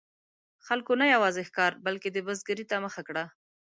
خلکو نه یوازې ښکار، بلکې د بزګرۍ ته مخه کړه.